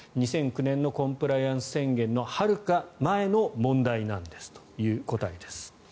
２００９年のコンプライアンス宣言のはるか前の問題なんですという答えです。